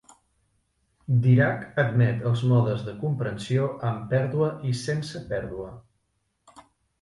Dirac admet els modes de comprensió amb pèrdua i sense pèrdua.